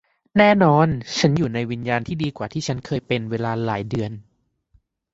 แน่นอนฉันอยู่ในวิญญาณที่ดีกว่าที่ฉันเคยเป็นเวลาหลายเดือน